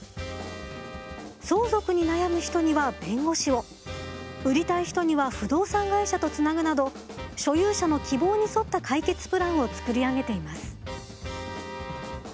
相続に悩む人には弁護士を売りたい人には不動産会社とつなぐなど所有者の希望に沿った解決プランを作り上げています。